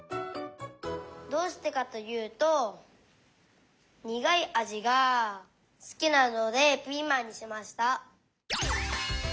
どうしてかというとにがいあじがすきなのでピーマンにしました。